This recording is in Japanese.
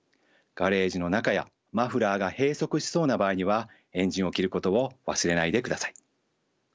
ガレージの中やマフラーが閉塞しそうな場合にはエンジンを切ることを忘れないでください。